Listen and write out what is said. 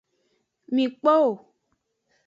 Mi kpo wo.